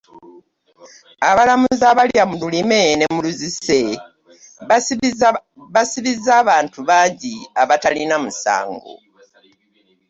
Abalamuzi abalya mu lulime ne mu luzise basibizza abantu bangi abatalina musango.